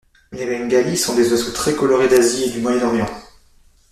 Les bengalis sont des oiseaux très colorés d'Asie et du Moyen-Orient.